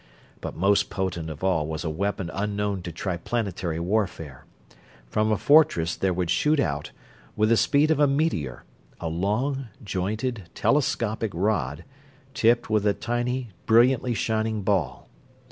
But most potent of all was a weapon unknown to Triplanetary warfare. From a fortress there would shoot out, with the speed of a meteor, a long, jointed, telescopic rod, tipped with a tiny, brilliantly shining ball.